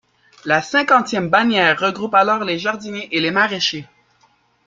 La cinquantième bannière regroupe alors les jardiniers et les maraîchers.